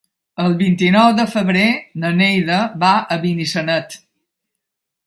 El vint-i-nou de febrer na Neida va a Benissanet.